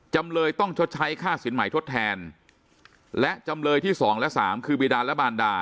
จำเลยต้องชดใช้ค่าสินใหม่ทดแทนและจำเลยที่สองและสามคือบีดาและบานดา